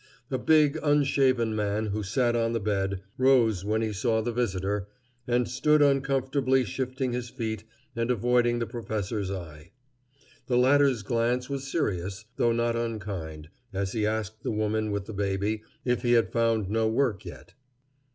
A big, unshaven man, who sat on the bed, rose when he saw the visitor, and stood uncomfortably shifting his feet and avoiding the professor's eye. The latter's glance was serious, though not unkind, as he asked the woman with the baby if he had found no work yet.